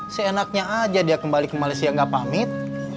seenaknya aja dia kembali ke malaysia gak pamit